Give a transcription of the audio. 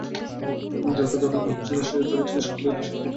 যাঁকে ধরে আনা হয়েছিল, তাঁকে জিজ্ঞেস করলেই সত্য ঘটনা জানা যাবে।